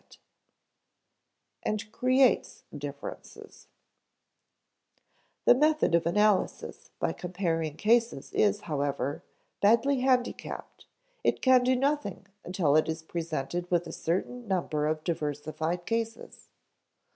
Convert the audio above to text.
[Sidenote: and creates differences] The method of analysis by comparing cases is, however, badly handicapped; it can do nothing until it is presented with a certain number of diversified cases.